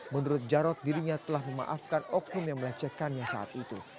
menurut jarod dirinya telah memaafkan oknum yang melecehkannya saat itu